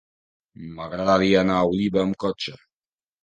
M'agradaria anar a Oliva amb cotxe.